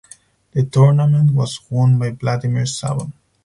The tournament was won by Vladimir Savon.